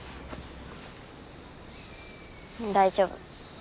大丈夫。